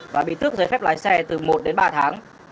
và bị tước giấy phép lái xe từ một đến ba tháng